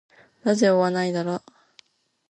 なぜ終わないのだろう。